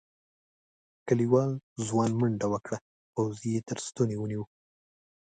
کليوال ځوان منډه وکړه پوځي یې تر ستوني ونيو.